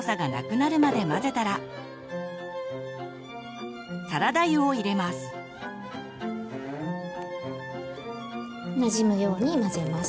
なじむように混ぜます。